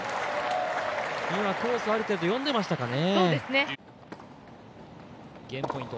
今、コースある程度読んでいましたかね。